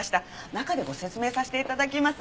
中でご説明させて頂きます。